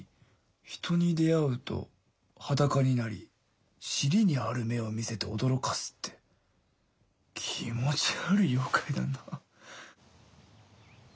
「人に出会うと裸になり尻にある目を見せて驚かす」って気持ち悪い妖怪だな。